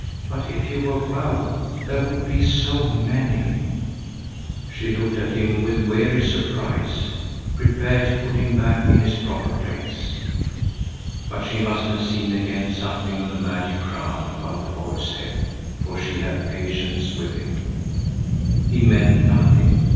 But if you were well, there would be so many—" She looked at him with weary surprise, prepared to put him back in his proper place. But she must have seen again something of the magic crown about the boy's head, for she had patience with him. He meant nothing.